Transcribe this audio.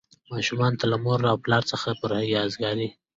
ماشومانو ته له مور او پلار څخه د پرهیزګارۍ.